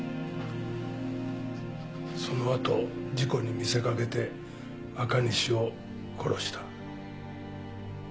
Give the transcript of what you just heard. そのあと事故に見せかけて赤西を殺した。